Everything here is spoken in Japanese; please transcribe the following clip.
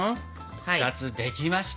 ２つできました。